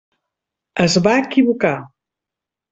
Es va equivocar.